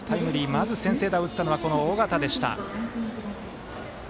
まず先制打を打ったのは尾形でした。